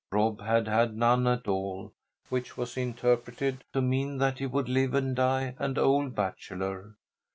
Rob had had none at all, which was interpreted to mean that he would live and die an old bachelor.